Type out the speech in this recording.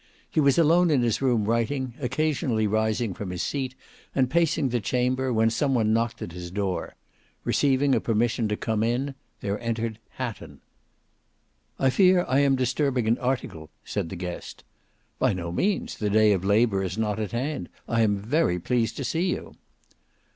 He was alone in his room writing, occasionally rising from his seat and pacing the chamber, when some one knocked at his door. Receiving a permission to come in, there entered Hatton. "I fear I am disturbing an article," said the guest. "By no means: the day of labour is not at hand. I am very pleased to see you."